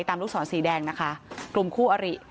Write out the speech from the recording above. ลูกศรสีแดงนะคะกลุ่มคู่อริ